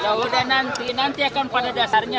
ya udah nanti nanti dia akan pada dasarnya